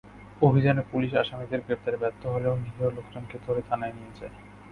অভিযানে পুলিশ আসামিদের গ্রেপ্তারে ব্যর্থ হলেও নিরীহ লোকজনকে ধরে থানায় নিয়ে যায়।